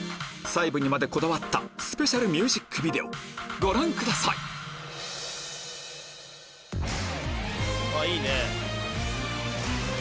細部にまでこだわったスペシャルミュージックビデオご覧くださいいいね。